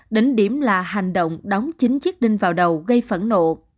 đỉnh điểm là hành động đóng chính chiếc đinh vào đầu gây phẫn nộ